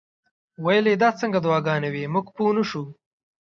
ویل یې دا څنګه دعاګانې وې موږ پوه نه شو.